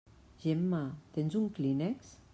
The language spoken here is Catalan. Gemma, tens un clínex?